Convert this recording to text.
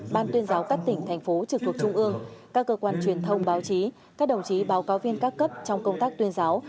ban tuyên giáo các tỉnh thành phố trực thuộc trung ương các cơ quan truyền thông báo chí các đồng chí báo cáo viên các cấp trong công tác tuyên giáo